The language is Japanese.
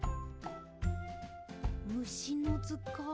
「むしのずかん」